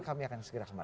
kami akan segera kemarin